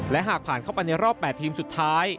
และหากผ่านเข้าไปในรอบ๘ทีมสุดท้าย